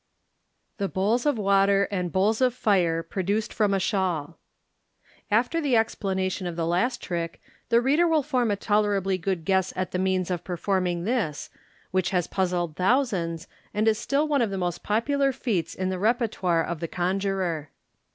Thb Bowls op Water and Bowls of Fire produced from a Shawl.— After the explanation of the last trick, the reader will form a tolerably good guess at the means of performing this, which has puzzled thousands, and is still one of the most popular feats in the repertoire of the conjuror.